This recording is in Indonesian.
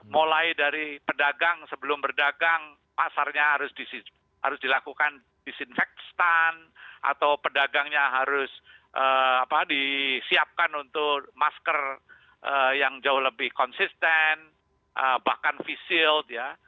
mulai dari pedagang sebelum berdagang pasarnya harus dilakukan disinfektan atau pedagangnya harus disiapkan untuk masker yang jauh lebih konsisten bahkan face shield ya